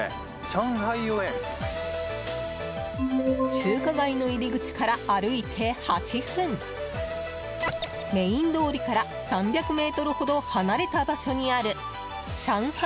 中華街の入り口から歩いて８分メイン通りから３００ｍほど離れた場所にある上海